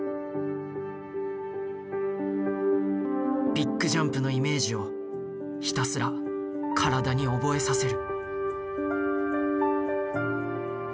ビッグジャンプのイメージをひたすら体に覚えさせる。